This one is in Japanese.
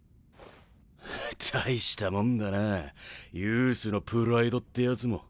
大したもんだなあユースのプライドってやつも。